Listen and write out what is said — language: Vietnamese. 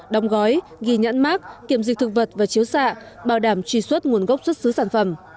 đong gói ghi nhãn mát kiểm dịch thực vật và chiếu xạ bảo đảm truy xuất nguồn gốc xuất xứ sản phẩm